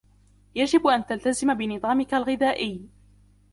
يجب ان تلتزم بنظامك الغذائي.